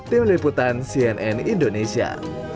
tim liputan cnn indonesia